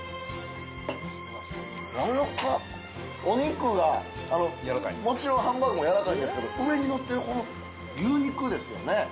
お肉がもちろんハンバーグもやらかいんですけど上にのってるこの牛肉ですよね？